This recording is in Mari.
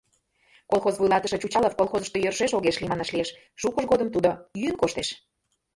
Колхоз вуйлатыше Чучалов колхозышто йӧршеш огеш лий, манаш лиеш, шукыж годым тудо йӱын коштеш.